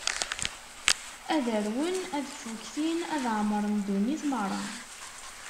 Ad arwen, ad ffuktin, ad ɛemṛen ddunit meṛṛa.